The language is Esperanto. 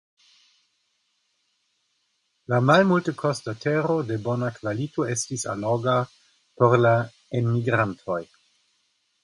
La malmultekosta tero de bona kvalito estis alloga por la enmigrantoj.